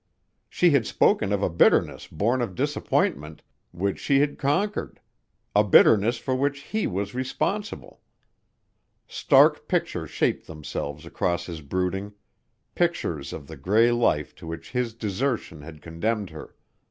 She had spoken of a bitterness born of disappointment, which she had conquered: a bitterness for which he was responsible. Stark pictures shaped themselves across his brooding: pictures of the gray life to which his desertion had condemned her